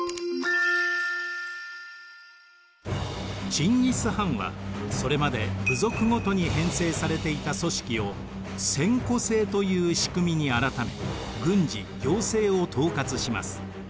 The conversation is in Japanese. チンギス・ハンはそれまで部族ごとに編成されていた組織を千戸制という仕組みに改め軍事・行政を統括します。